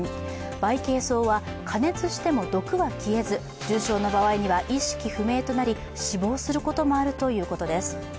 バイケイソウは、加熱しても毒は消えず重症の場合には意識不明となり、死亡することもあるということです。